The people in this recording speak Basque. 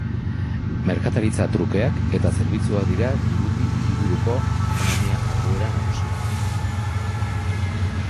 Merkataritza trukeak eta zerbitzuak dira Djibuti hiriburuko ekonomia jarduera nagusiak.